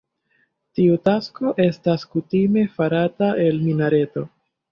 Tiu tasko estas kutime farata el minareto.